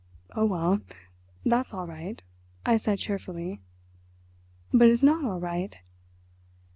"Oh, well, that's all right," I said cheerfully. "But it is not all right!"